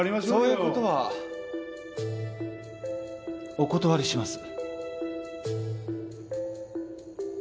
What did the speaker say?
そういうことはお断りします。